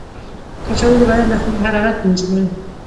کچالو د بدن داخلي حرارت تنظیموي.